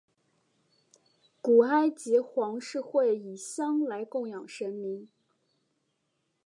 古埃及皇室会以香来供养神明。